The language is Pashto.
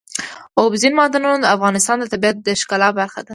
اوبزین معدنونه د افغانستان د طبیعت د ښکلا برخه ده.